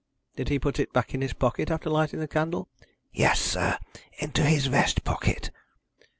"Did he put it back in his pocket after lighting the candle?" "Yes, sir; into his vest pocket."